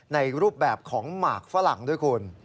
ในรูปแบบของหมากฝรั่งด้วยคุณ